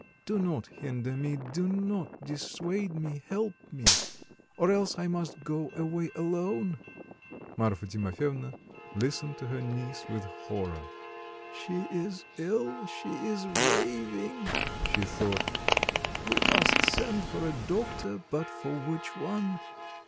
Do not hinder me, do not dissuade me, help me, or else I must go away alone." Marfa Timofyevna listened to her niece with horror. "She is ill, she is raving," she thought: "we must send for a doctor; but for which one?